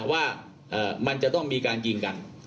ว่ามันจะต้องมีการยิงกัน